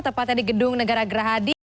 tepatnya di gedung negara gerah hadi